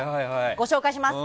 ご紹介します。